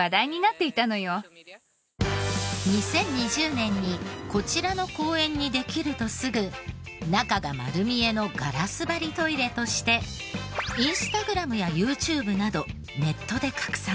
２０２０年にこちらの公園にできるとすぐ中が丸見えのガラス張りトイレとしてＩｎｓｔａｇｒａｍやＹｏｕＴｕｂｅなどネットで拡散。